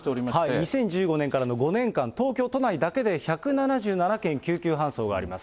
２０１５年からの５年間、東京都内だけで１７７件、救急搬送があります。